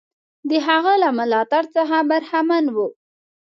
د هغه له ملاتړ څخه برخمن وو.